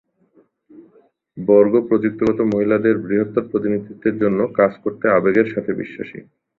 বর্গ প্রযুক্তিগত মহিলাদের বৃহত্তর প্রতিনিধিত্বের জন্য কাজ করতে আবেগের সাথে বিশ্বাসী।